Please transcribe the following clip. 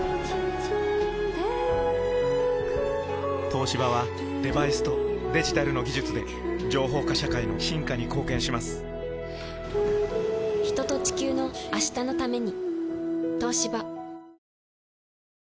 東芝はデバイスとデジタルの技術で情報化社会の進化に貢献します人と、地球の、明日のために。